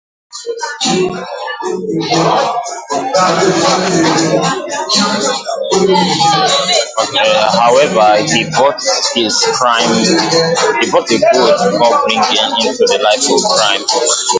However, he brought his good upbringing into a life of crime.